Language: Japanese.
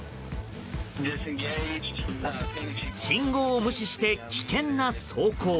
信号を無視して危険な走行。